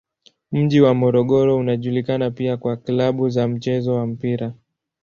Mji wa Morogoro unajulikana pia kwa klabu za mchezo wa mpira.